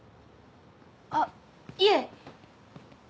あっいえ。